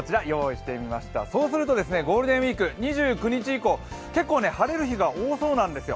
そうするとゴールデンウイーク、２９日以降、結構晴れる日が多そうなんですよ。